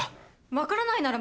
分からないなら